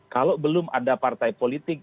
kalau belum ada partai politik